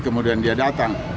kemudian dia datang